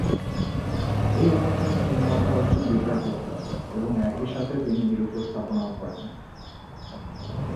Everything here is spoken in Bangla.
এই অনুষ্ঠানটির নির্মাতা হচ্ছেন বিকাশ গুপ্তা এবং একই সাথে তিনি এর উপস্থাপনা করেন।